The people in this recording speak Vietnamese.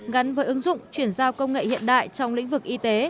gắn với ứng dụng chuyển giao công nghệ hiện đại trong lĩnh vực y tế